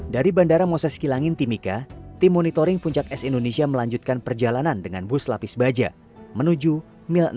dari bandara moses kilangin timika tim monitoring puncak es indonesia melanjutkan perjalanan dengan bus lapis baja menuju mil enam